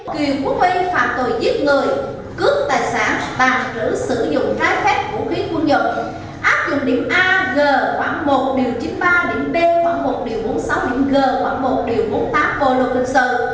kiều quốc huy phạm tội giết người cướp tài sản tàng trữ sử dụng trái phép vũ khí quân dụng áp dụng điểm a g khoảng một điều chín mươi ba điểm b một bốn mươi sáu điểm g khoảng một điều bốn mươi tám bộ luật hình sự